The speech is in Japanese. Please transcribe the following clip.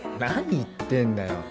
何言ってんだよ